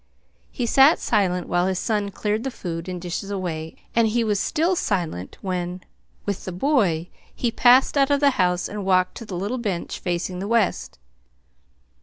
He sat silent while his son cleared the food and dishes away, and he was still silent when, with the boy, he passed out of the house and walked to the little bench facing the west.